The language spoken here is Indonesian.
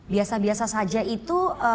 biasa biasa saja itu